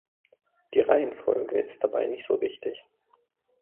Die Reihenfolge ist dabei nicht so wichtig.